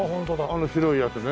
あの白いやつね。